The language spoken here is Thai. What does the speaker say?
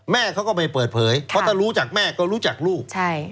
แม่เขาก็ไม่เปิดเผยเพราะถ้ารู้จากแม่ก็รู้จักลูก